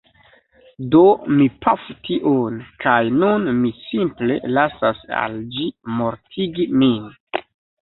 Do mi pafu tiun, kaj nun mi simple lasas al ĝi mortigi min.